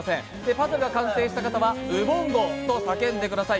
パズルが完成した方は「ウボンゴ！」と叫んでください。